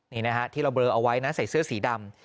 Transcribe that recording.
นี่นะฮะที่เราเบลอเอาไว้นะใส่เสื้อสีดำ